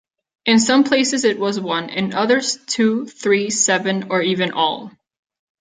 In some places it was one; in others, two, three, seven, or even all.